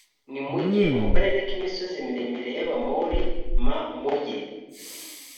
nimujye mu karere k imisozi miremire y abamori m mujye